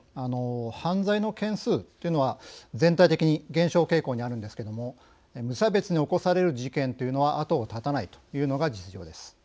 犯罪の件数というのは全体的に減少傾向にあるんですけれども無差別に起こされる事件というのは後を絶たないというのが実情です。